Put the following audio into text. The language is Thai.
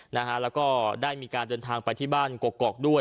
แล้วก็ได้มีการเดินทางไปที่บ้านกกอกด้วย